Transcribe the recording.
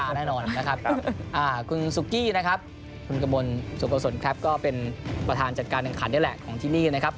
อันนี้เป็นขนต้องเจียนครับกรุณคุณกะบมนสุกษนครับเป็นหมอภาทานจัดการจากขันนี่แหล่ะของที่นี่นะครับ